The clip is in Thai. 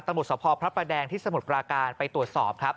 ตะหมดสะพอพระประแดงที่สมุทรปราการไปตรวจสอบ